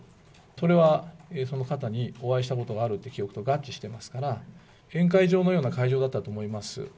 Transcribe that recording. それは、その方にお会いしたことがあるっていう記憶と合致してますから、宴会場のような会場だったと思います。